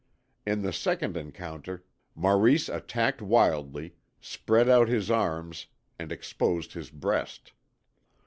In the second encounter Maurice attacked wildly, spread out his arms, and exposed his breast.